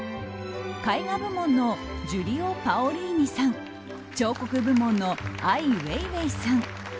絵画部門のジュリオ・パオリーニさん彫刻部門のアイ・ウェイウェイさん